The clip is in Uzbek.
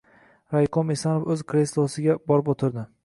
Raykom Esonov o‘z kreslosiga borib o‘tirdi.